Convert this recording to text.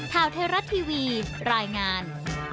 ข่าวไทยรัฐทีวีรายงาน